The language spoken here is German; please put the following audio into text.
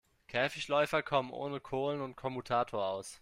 Käfigläufer kommen ohne Kohlen und Kommutator aus.